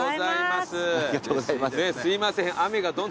すいません。